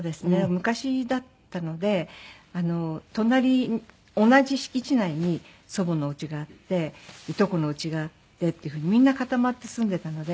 昔だったので隣同じ敷地内に祖母のうちがあっていとこのうちがあってっていう風にみんな固まって住んでたので。